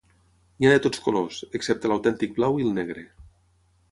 N'hi ha de tots colors, excepte l'autèntic blau i el negre.